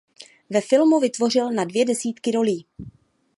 Ve filmu vytvořil na dvě desítky rolí.